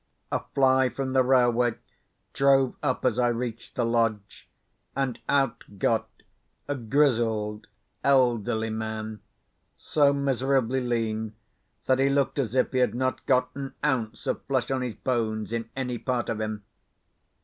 A fly from the railway drove up as I reached the lodge; and out got a grizzled, elderly man, so miserably lean that he looked as if he had not got an ounce of flesh on his bones in any part of him.